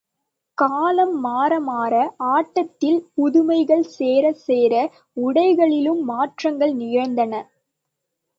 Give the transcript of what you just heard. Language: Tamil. காலம் மாற மாற, ஆட்டத்தில் புதுமைகள் சேரச் சேர, உடைகளிலும் மாற்றங்கள் நிகழ்ந்தன.